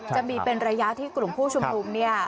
จะมีเป็นระยะที่กลุ่มผู้ชุมนุมเนี่ย